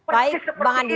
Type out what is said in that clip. baik bang andi